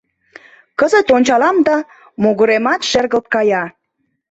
Кызыт ончалам да могыремат шергылт кая.